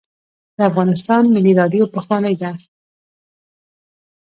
د افغانستان ملي راډیو پخوانۍ ده